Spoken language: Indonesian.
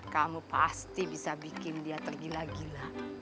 kamu pasti bisa bikin dia tergila gila